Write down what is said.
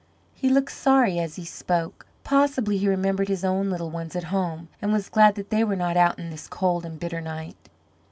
He looked sorry as he spoke; possibly he remembered his own little ones at home, and was glad that they were not out in this cold and bitter night.